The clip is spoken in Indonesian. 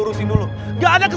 bukan gara gara gue